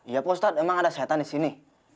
iya pak ustaz emang ada syaitan di sini